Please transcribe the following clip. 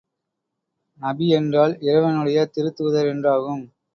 நபி என்றால், இறைவனுடைய திருத்தூதர் என்றாகும்.